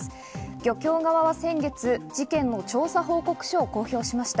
漁協側は先月、事件の調査報告書を公表しました。